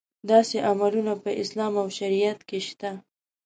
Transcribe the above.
داسې عملونه په اسلام او شریعت کې شته.